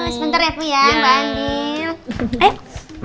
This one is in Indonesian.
sebentar ya puyang